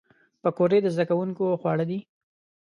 پکورې د زدهکوونکو خواړه دي